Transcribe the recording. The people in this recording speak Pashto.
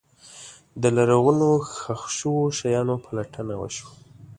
د لرغونو ښخ شوو شیانو پلټنه وشوه.